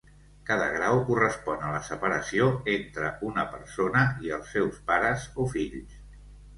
Cada grau correspon a la separació entre una persona i els seus pares o fills.